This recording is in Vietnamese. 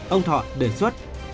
ông thọ đề xuất